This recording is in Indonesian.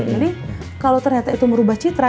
jadi kalau ternyata itu merubah citra